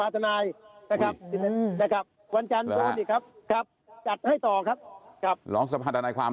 อ่าสุดท้ายครับท่านนายเดชามีอะไรฝากถึงท่านนายตั้มหน่อยไหมฮะ